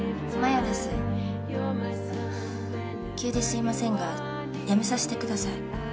急ですいませんが辞めさせてください。